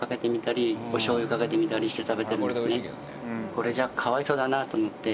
これじゃかわいそうだなと思って。